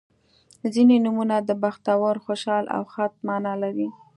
• ځینې نومونه د بختور، خوشحال او ښاد معنا لري.